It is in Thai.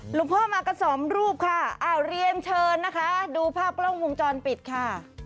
หลวงพ่อมากันสองรูปค่ะอ้าวเรียนเชิญนะคะดูภาพกล้องวงจรปิดค่ะ